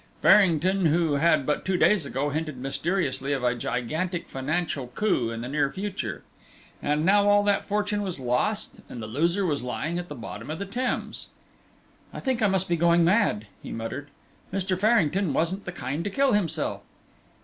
Farrington, who had, but two days ago, hinted mysteriously of a gigantic financial coup in the near future. And now all that fortune was lost, and the loser was lying at the bottom of the Thames! "I think I must be going mad," he muttered. "Mr. Farrington wasn't the kind to kill himself."